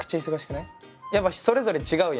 やっぱそれぞれ違うやん。